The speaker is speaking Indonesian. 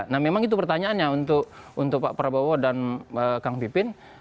nah memang itu pertanyaannya untuk pak prabowo dan kang pipin